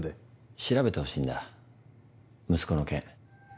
調べてほしいんだ息子の件。